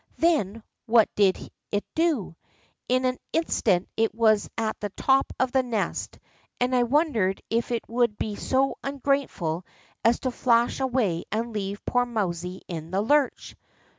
Then, what did it do? In an instant it was at the top of the nest, and I won dered if it could be so ungrateful as to flash away and leave poor mousie in the lurch.